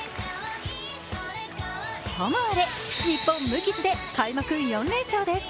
ともあれ日本無傷で開幕４連勝です